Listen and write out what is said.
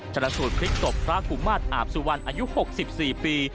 ชนะสูตรพลิกศพพระกุมาตรอาบสุวรรณอายุ๖๔ปี